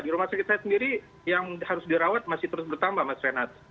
di rumah sakit saya sendiri yang harus dirawat masih terus bertambah mas renat